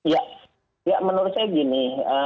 ya menurut saya gini